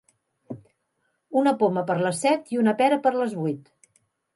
Una poma per la set i una pera per les vuit.